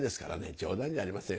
冗談じゃありませんよ